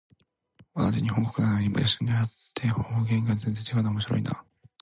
同じ日本国内なのに、場所によって方言が全然違うのは面白いなあ。